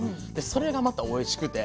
それがまたおいしくて。